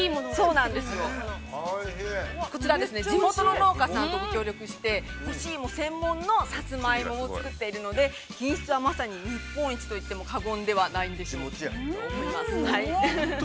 こちら地元の農家さんと協力してさつまいもを作っているので、品質はまさに日本一と言っても過言ではないです。